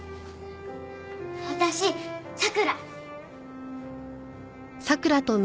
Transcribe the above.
私桜！